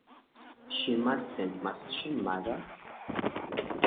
She mustn't, must she, mother?